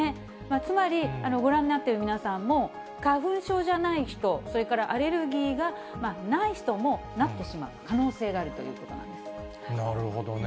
つまり、ご覧になっている皆さんも、花粉症じゃない人、それからアレルギーがない人もなってしまう可能性があるというこなるほどね。